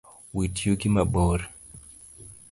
Wit yugi mabor